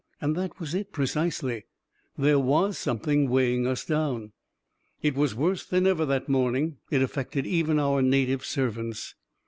And that was it precisely — there was something weighing us down ... It was worse than ever that morning. It af fected even our native servants.